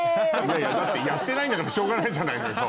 だってやってないんだからしょうがないじゃないのよ。